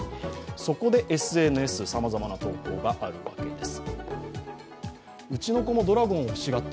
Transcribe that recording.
そこでＳＮＳさまざまな投稿があります。